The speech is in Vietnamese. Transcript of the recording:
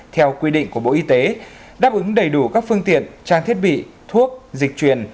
theo quy định của bộ y tế đáp ứng đầy đủ các phương tiện trang thiết bị thuốc dịch truyền